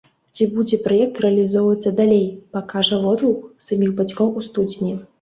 Ці будзе праект рэалізоўвацца далей, пакажа водгук саміх бацькоў у студзені.